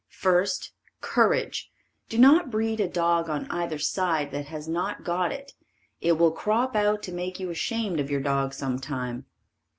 First Courage. Do not breed a dog on either side that has not got it. It will crop out to make you ashamed of your dog some time.